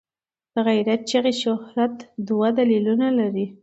د غیرت چغې شهرت دوه دلیلونه لري.